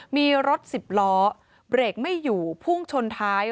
มีรถสิบล้อเบรกไม่อยู่พุ่งชนท้าย